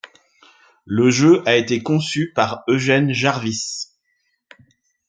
Le jeu a été conçu par Eugene Jarvis.